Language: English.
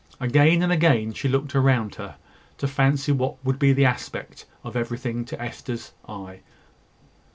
Again and again she looked round her, to fancy what would be the aspect, of everything to Hester's eye.